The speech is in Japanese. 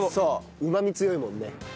うまみ強いもんね。